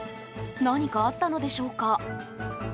何かあったのでしょうか。